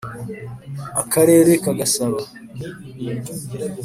akarere ka gasaba